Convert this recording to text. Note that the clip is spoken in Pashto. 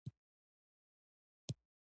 هند د رنګونو او دودونو لویه نړۍ ده.